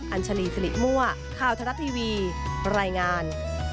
ัญชาลีสิริมั่วข่าวทรัฐทีวีรายงาน